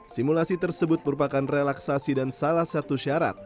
simulasi tersebut merupakan relaksasi dan salah satu syarat